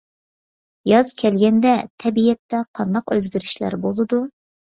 ياز كەلگەندە تەبىئەتتە قانداق ئۆزگىرىشلەر بولىدۇ؟